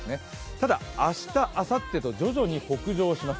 ただ明日、あさってと徐々に北上します。